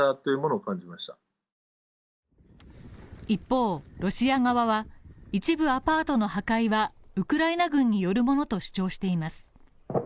一方、ロシア側は一部アパートの破壊はウクライナ軍によるものと主張しています。